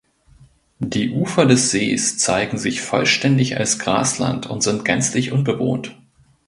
Die Ufer des Sees zeigen sich vollständig als Grasland und sind gänzlich unbewohnt.